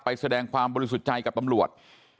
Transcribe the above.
แสดงความบริสุทธิ์ใจกับตำรวจ